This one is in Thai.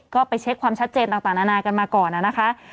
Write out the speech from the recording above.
ก็ไปเช็คความชัดเจนต่างนานากันมาก่อนนะคะ